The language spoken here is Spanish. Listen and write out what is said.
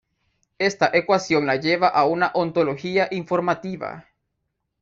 Esta ecuación la lleva a una ontología informativa.